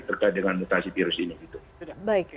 terkait dengan mutasi virus ini gitu